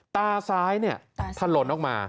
ตาซ้ายเนี่ยถล่นออกมา